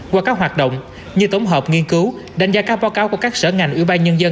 qua các hoạt động như tổng hợp nghiên cứu đánh giá các báo cáo của các sở ngành ủy ban nhân dân